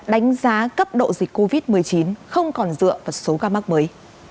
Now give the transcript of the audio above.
đánh giá cấp độ dịch covid một mươi chín không còn dựa vào số ca mắc mới